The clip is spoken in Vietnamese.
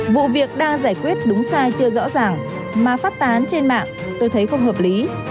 vụ việc đang giải quyết đúng sai chưa rõ ràng mà phát tán trên mạng tôi thấy không hợp lý